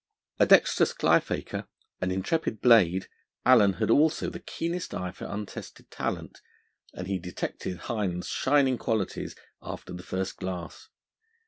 A dexterous cly faker, an intrepid blade, Allen had also the keenest eye for untested talent, and he detected Hind's shining qualities after the first glass.